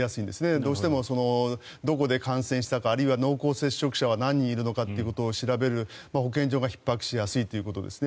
どうしてもどこで感染したかあるいは濃厚接触者は何人いるかということを調べる保健所がひっ迫しやすいということですね。